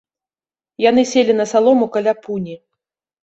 Яны селі на салому каля пуні.